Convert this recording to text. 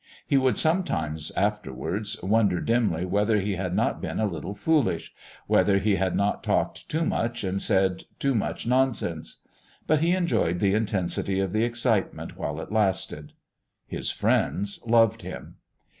He would, sometimes, afterwards wonder dimly whether he had not been a little foolish whether he had not talked too much and said too much nonsense. But he enjoyed the intensity of the excitement while it lasted. His friends loved him.